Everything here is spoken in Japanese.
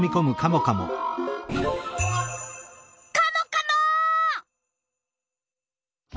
カモカモ！